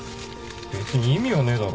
別に意味はねえだろ。